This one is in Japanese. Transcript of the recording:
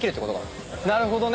なるほどね。